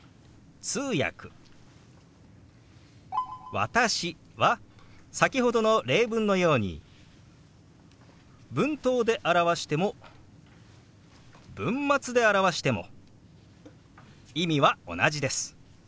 「私」は先ほどの例文のように文頭で表しても文末で表しても意味は同じです。